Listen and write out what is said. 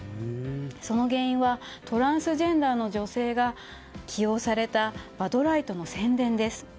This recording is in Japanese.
その原因はトランスジェンダーの女性が起用されたバドライトの宣伝です。